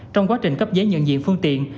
trong quá trình cấp giấy nhận diện phương tiện